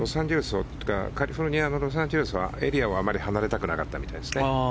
カリフォルニアのロサンゼルスはエリアはあまり離れたくなかったみたいですね。